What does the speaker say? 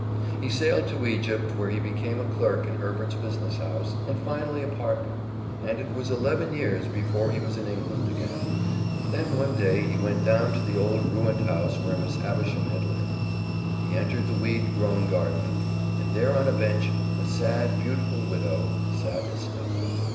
He sailed to Egypt, where he became a clerk in Herbert's business house, and finally a partner, and it was eleven years before he was in England again. Then, one day he went down to the old ruined house where Miss Havisham had lived. He entered the weed grown garden, and there on a bench, a sad, beautiful widow, sat Estella.